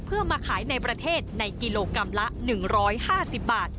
เพื่อมาขายในประเทศในกิโลกรัมละ๑๕๐บาท